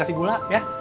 kasih gula ya